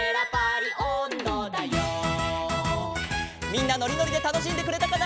みんなのりのりでたのしんでくれたかな？